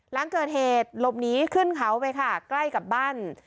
หลังเกิดเหตุหลบหนีขึ้นเขาไปค่ะใกล้กับบ้าน